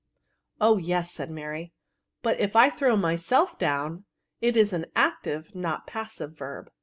Oh yes," said Mary ;" but if I throw myself down, it is an active, not a passive verb."